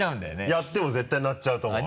やっても絶対鳴っちゃうと思う。